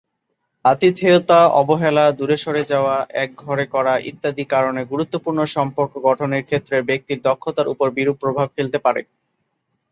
আতিথেয়তা, অবহেলা, দূরে সরে যাওয়া, একঘরে করা ইত্যাদির কারণে গুরুত্বপূর্ণ সম্পর্ক গঠনের ক্ষেত্রে ব্যক্তির দক্ষতার উপর বিরূপ প্রভাব ফেলতে পারে।